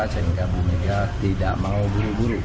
sehingga bu mega tidak mau buru buru